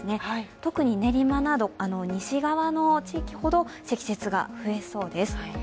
特に練馬など西側の地域ほど積雪が増えそうです。